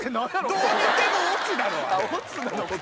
どう見ても「おつ」だろ！